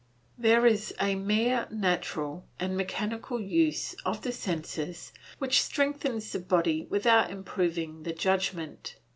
There is a mere natural and mechanical use of the senses which strengthens the body without improving the judgment.